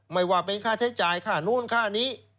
ไม่ว่าเป็นค่าใช้จ่ายค่านู้นค่านี้